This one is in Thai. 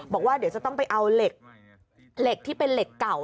บอกว่าเดี๋ยวจะต้องไปเอาเหล็กที่เป็นเหล็กเก่า